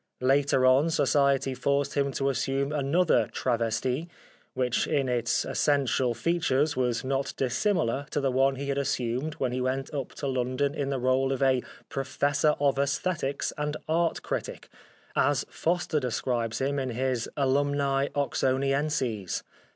Later on Society forced him to assume another travesti, which in its essential features was not dissimilar to the one he had assumed when he went up to London in the role of a " Professor of ^Esthetics and Art critic/' as Foster describes him in his Alumni 159 The Life of Oscar Wilde Oxonienses.